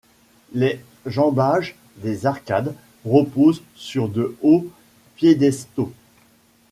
Les jambages des arcades reposent sur de hauts piédestaux.